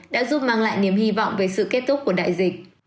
đã giúp mang lại niềm hy vọng về sự kết thúc của đại dịch